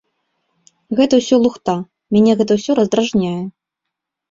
Гэта ўсё лухта, мяне гэта ўсё раздражняе!